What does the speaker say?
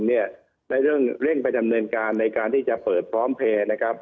ได้เรื่องเร่งไปดำเนินการในการที่จะเปิดพร้อมเพลย์นะครับ